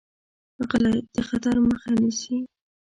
غلی، د خطر مخه نیسي.